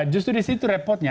justru disitu repotnya